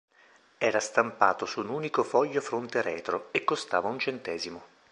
Era stampato su un unico foglio fronte e retro, e costava un centesimo.